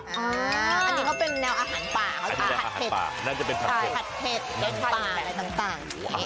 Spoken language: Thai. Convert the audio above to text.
อันนี้ก็เป็นแนวอาหารปลาอาหารเผ็ดน่าจะเป็นผัดเผ็ดผัดเผ็ดปลาอะไรต่าง